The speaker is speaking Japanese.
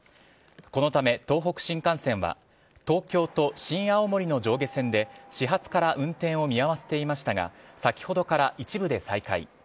このため、東北新幹線は東京と新青森の上下線で始発から運転を見合わせていましたが先ほどから一部で再開。